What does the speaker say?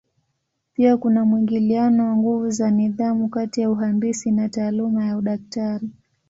Pia kuna mwingiliano wa nguvu wa nidhamu kati ya uhandisi na taaluma ya udaktari.